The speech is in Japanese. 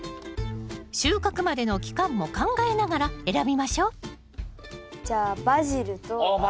収穫までの期間も考えながら選びましょうじゃあバジルと。